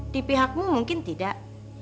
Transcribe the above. di pihakmu mungkin tidak